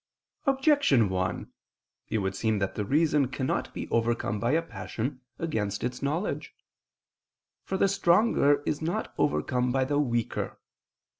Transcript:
Objection 1: It would seem that the reason cannot be overcome by a passion, against its knowledge. For the stronger is not overcome by the weaker.